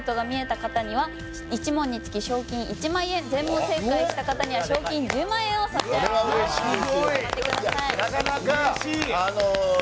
見事、未来の出来事がみえた方には１問につき賞金１万円全問正解した方には賞金１０万円を差し上げます。